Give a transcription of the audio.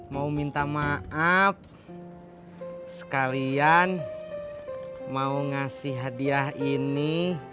mau minta maaf sekalian mau ngasih hadiah ini